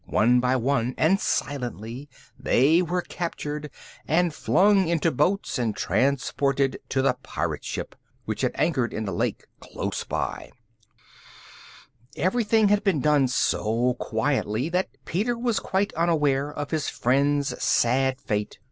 One by one, and silently, they were captured and flung into boats and transported to the pirate ship, which had anchored in the lake close by. [Illustration: SEIZED BY ONE OF THE SWARTHY RUFFIANS] Everything had been done so quietly that Peter was quite unaware of his friends' sad fate.